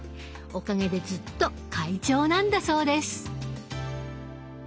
おかげでずっと快調なんだそうです。